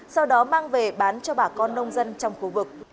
sau đó mang về bán cho bà con nông dân trong khu vực